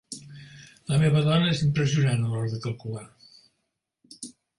La meva dona és impressionant a l'hora de calcular